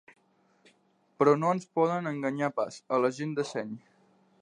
Però no ens poden enganyar pas, a la gent de seny.